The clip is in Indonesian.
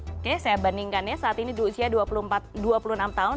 oke saya bandingkannya saat ini di usia dua puluh enam tahun